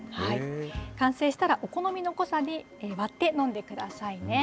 完成したらお好みの濃さに割って飲んでくださいね。